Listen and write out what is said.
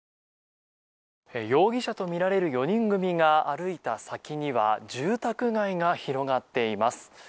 容疑者とみられる４人組が歩いた先には住宅街が広がっています。